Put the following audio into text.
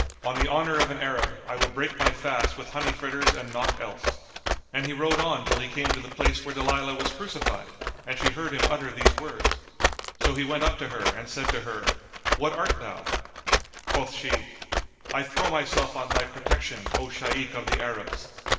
On the honour of an Arab I will break my fast with honey fritters and naught else;" and he rode on till he came to the place where Dalilah was crucified and she heard him utter these words. So he went up to her and said to her, "What art thou?" Quoth she, "I throw myself on thy protection, O Shaykh of the Arabs!"